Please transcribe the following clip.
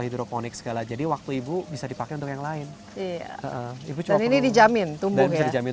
hidroponik segala jadi waktu ibu bisa dipakai untuk yang lain ini dijamin tumbuh bisa dijamin